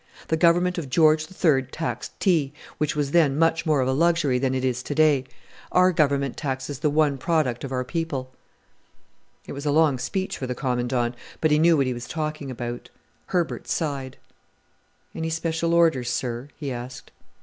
The Government of George III taxed tea which was then much more of a luxury than it is to day: our Government taxes the one product of our people." A common saying in the North. It was a long speech for the Commandant, but he knew what he was talking about. Herbert sighed. "Any special orders, sir?" he asked.